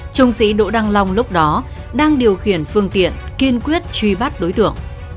trung sĩ đỗ đăng long lúc đó đang điều khiển phương tiện kiên quyết truy bắt đối tượng